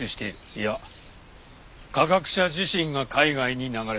いや科学者自身が海外に流れている。